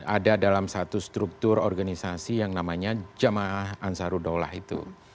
ada dalam satu struktur organisasi yang namanya jamaah ansarudaulah itu